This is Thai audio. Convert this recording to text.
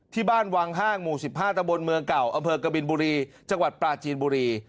ที่บ้านวังห้างหมู่๑๕ตะบนเมืองเก่าอำเภอกบินบุรีจังหวัดปลาจีนบุรี